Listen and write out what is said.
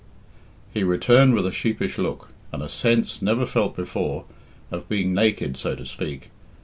He returned with a sheepish look, and a sense, never felt before, of being naked, so to speak.